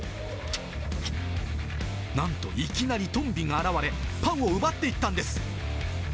なんといきなりトンビが現れ、パンを奪っていったんです。